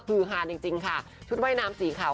คือฮานจริงค่ะชุดว่ายน้ำสีขาว